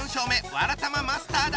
わらたまマスターだ！